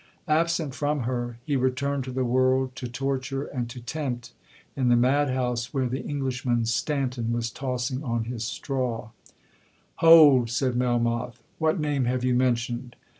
Absent from her, he returned to the world to torture and to tempt in the mad house where the Englishman Stanton was tossing on his straw—' 'Hold!' said Melmoth; 'what name have you mentioned?'